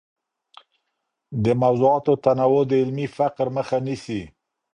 د موضوعاتو تنوع د علمي فقر مخه نيسي.